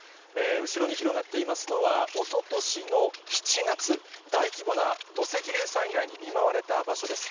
後ろに広がっていますのは、おととしの７月、大規模な土石流災害に見舞われた場所です。